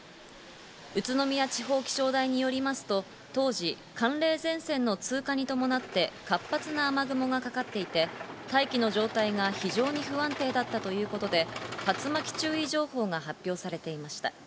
宇都宮地方気象台によりますと当時、寒冷前線の通過に伴って活発な雨雲がかかっていて大気の状態が非常に不安定だったということで、竜巻注意情報が発表されていました。